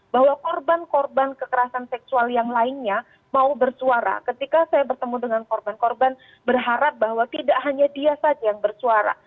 bahwa korban korban kekerasan seksual yang lainnya mau bersuara ketika saya bertemu dengan korban korban berharap bahwa tidak hanya dia saja yang bersuara